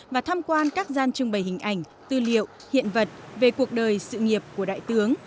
và tham quan các gian trưng bày hình ảnh tư liệu hiện vật về cuộc đời sự nghiệp của đại tướng